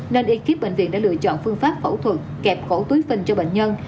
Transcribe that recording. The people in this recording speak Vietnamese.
nên y kiếp bệnh viện đã lựa chọn phương pháp phẫu thuật kẹp cổ túi phình cho bệnh nhân